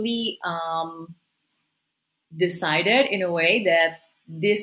memutuskan dengan cara yang